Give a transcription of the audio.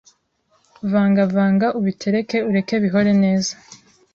Vanga vanga ubitereke ureke bihore neza